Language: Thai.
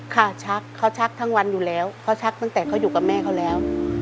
ชักเขาชักทั้งวันอยู่แล้วเขาชักตั้งแต่เขาอยู่กับแม่เขาแล้ว